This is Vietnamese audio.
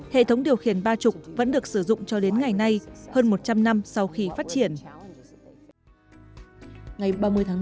hệ thống điều khiển ba mươi vẫn được sử dụng cho đến ngày nay hơn một trăm linh năm sau khi phát triển